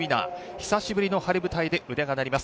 久しぶりの晴れ舞台で腕が鳴ります。